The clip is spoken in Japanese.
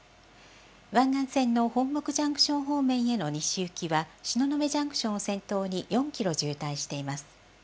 湾岸線の本牧ジャンクション方面への西行きは東雲ジャンクションを先頭に４キロ渋滞しています。